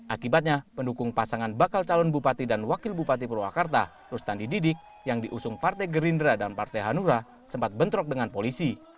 akibatnya pendukung pasangan bakal calon bupati dan wakil bupati purwakarta rustandi didik yang diusung partai gerindra dan partai hanura sempat bentrok dengan polisi